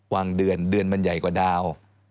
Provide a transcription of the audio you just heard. วันเดือนเดือนมันใหญ่กว่าดาว